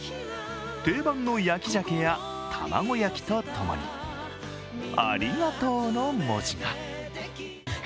定番の焼き鮭や玉子焼きと共にありがとうの文字が。